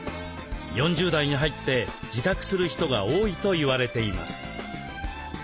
４０代に入って自覚する人が多いと言われています。